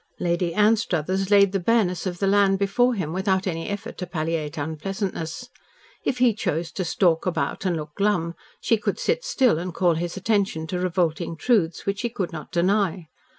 Lady Anstruthers laid the bareness of the land before him without any effort to palliate unpleasantness. If he chose to stalk about and look glum, she could sit still and call his attention to revolting truths which he could not deny.